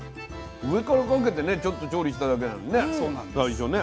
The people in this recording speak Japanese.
上からかけてねちょっと調理しただけなのにね最初ね。